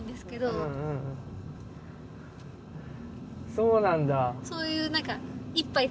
そうなんだ。